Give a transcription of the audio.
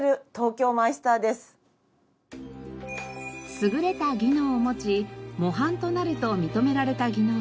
優れた技能を持ち模範となると認められた技能者